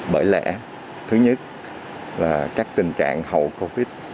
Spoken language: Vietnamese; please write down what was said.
bởi lẽ thứ nhất là các tình trạng hậu covid